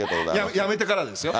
辞めてからですよ。